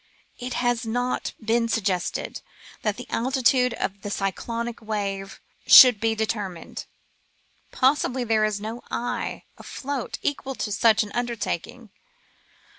It has not been suggested that the altitude of the cyclonic wave should be deter mined. Probably there is no eye afloat equal to such an undertaking.